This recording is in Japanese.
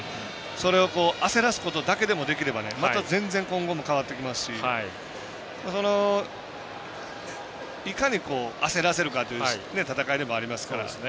それを焦らすことだけでもできればまた全然、今後も変わってきますしいかに焦らせるかという戦いでもありますから。